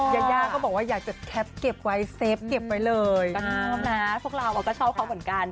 ยาย่าก็บอกว่าอยากจะแคปเก็บไว้เซฟเก็บไว้เลยก็ชอบนะพวกเราก็ชอบเขาเหมือนกัน